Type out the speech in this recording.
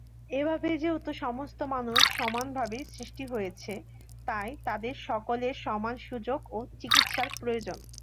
এভাবে, যেহেতু সমস্ত মানুষ সমানভাবে সৃষ্টি হয়েছে, তাই তাদের সকলের সমান সুযোগ ও চিকিৎসার প্রয়োজন।